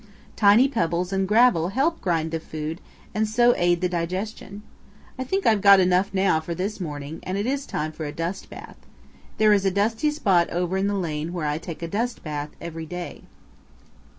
Tiny pebbles and gravel help grind the food and so aid digestion. I think I've got enough now for this morning, and it is time for a dust bath. There is a dusty spot over in the lane where I take a dust bath every day."